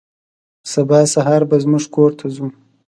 سبا سهار به زموږ کور ته ځو.